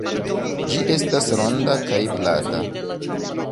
Ĝi estas ronda kaj plata.